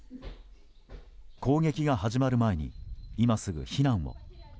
攻撃が始まる前に今すぐ避難を。